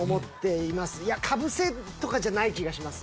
いやかぶせとかじゃない気がします